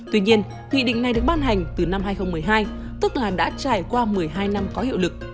tuy nhiên nghị định này được ban hành từ năm hai nghìn một mươi hai tức là đã trải qua một mươi hai năm có hiệu lực